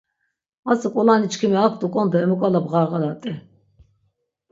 Atzi ǩulaniçkimi ak t̆uǩon do emu ǩala bğarğalat̆i.